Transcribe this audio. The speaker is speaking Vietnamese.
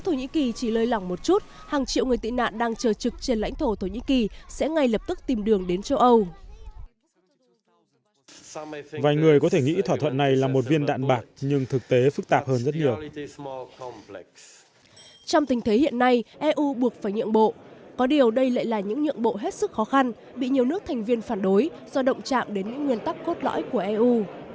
trong tình thế hiện nay eu buộc phải nhượng bộ có điều đây lại là những nhượng bộ hết sức khó khăn bị nhiều nước thành viên phản đối do động trạng đến những nguyên tắc cốt lõi của eu